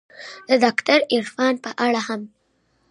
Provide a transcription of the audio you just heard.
د داکتر عرفان په اړه هم